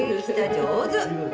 上手！